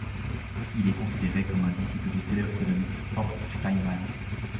Il est considéré comme un disciple du célèbre économiste Horst Steinmann.